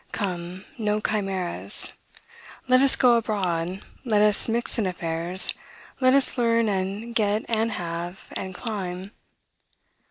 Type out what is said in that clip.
Come, no chimeras! Let us go abroad; let us mix in affairs; let us learn, and get, and have, and climb.